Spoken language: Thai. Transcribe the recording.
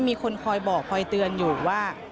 มีคนคอยบอกคอยเตือนอยู่ว่า